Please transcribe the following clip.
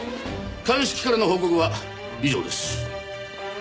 鑑識からの報告は以上です。